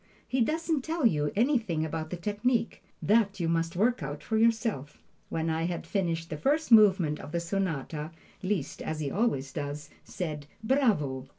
He doesn't tell you anything about the technique; that you must work out for yourself. When I had finished the first movement of the sonata, Liszt, as he always does, said "Bravo!"